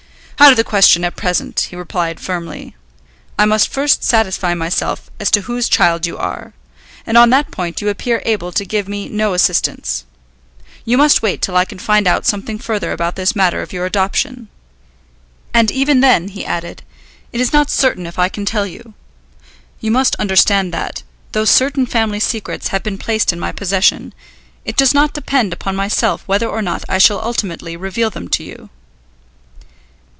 "Out of the question, at present," he replied firmly. "I must first satisfy myself as to whose child you are, and on that point you appear able to give me no assistance. You must wait till I can find out something further about this matter of your adoption. And even then," he added, "it is not certain if I can tell you. You must understand that, though certain family secrets have been placed in my possession, it does not depend upon myself whether or not I shall ultimately reveal them to you."